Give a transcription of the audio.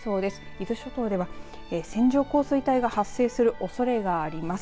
伊豆諸島では線状降水帯が発生するおそれがあります。